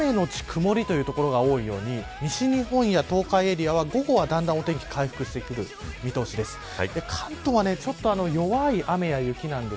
ただ、雨のち曇りという所が多いように西日本や東海エリアは午後はだんだん、お天気が回復してくる見通しです。